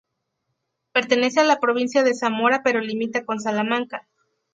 Pertenece a la provincia de Zamora pero limita con Salamanca.